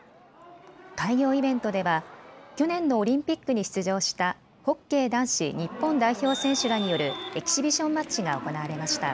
開業イベントでは去年のオリンピックに出場したホッケー男子日本代表選手らによるエキシビションマッチが行われました。